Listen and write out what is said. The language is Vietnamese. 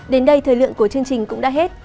đến đây thời lượng của chương trình cũng đã hết